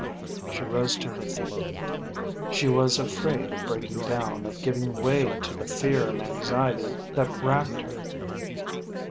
She rose to her feet. She was afraid of breaking down, of giving way to the fear and anxiety that racked her.